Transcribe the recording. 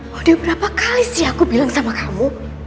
sudah berapa kali sih aku bilang sama kamu